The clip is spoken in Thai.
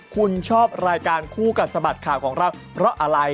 คุณชอบรายการคู่กัดสะบัดข่าวของเราเพราะอะไร